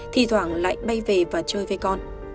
thi thoảng lại bay về và chơi với con